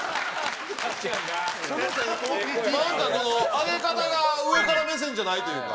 なんかそのあげ方が上から目線じゃないというか。